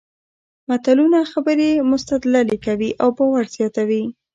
متلونه خبرې مستدللې کوي او باور زیاتوي